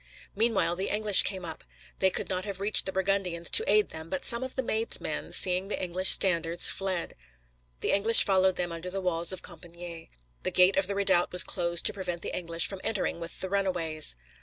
Meanwhile the English came up; they could not have reached the Burgundians, to aid them, but some of the Maid's men, seeing the English standards, fled. The English followed them under the walls of Compičgne; the gate of the redoubt was closed to prevent the English from entering with the runaways.